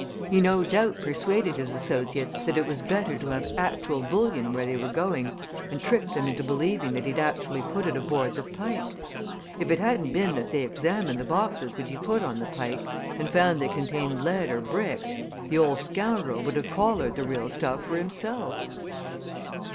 He no doubt persuaded his associates that it was better to have actual bullion where they were going, and tricked them into believing that he'd actually put it aboard the Pike! If it hadn't been that they examined the boxes which he put on the Pike and found they contained lead or bricks, the old scoundrel would have collared the real stuff for himself."